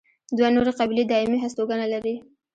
دوه نورې قبیلې دایمي هستوګنه لري.